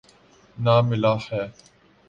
نہ ملاح ہے۔